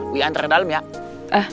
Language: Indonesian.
we hantar ke dalam ya